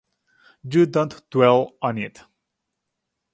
You don’t dwell on it.